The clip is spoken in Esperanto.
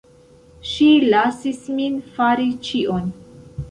Ŝi lasis min fari ĉion.